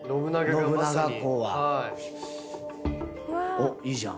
おっいいじゃん。